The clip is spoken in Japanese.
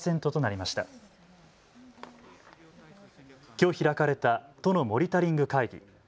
きょう開かれた都のモニタリング会議。